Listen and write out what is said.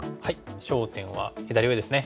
焦点は左上ですね。